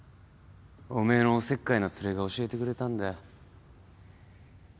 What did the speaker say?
おめえのおせっかいなツレが教えてくれたんだよ。